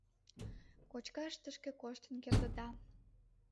Кочкаш тышке коштын кертыда.